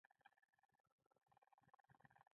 افغان سنتي طب د ډیرو ناروغیو د علاج لپاره کارول کیږي